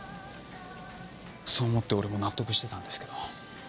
そう思って俺も納得してたんですけど。